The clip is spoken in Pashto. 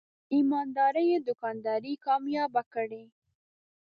په ایماندارۍ یې دوکانداري کامیابه کړې.